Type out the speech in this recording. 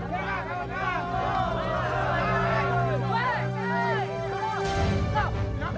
bayar berhar chunks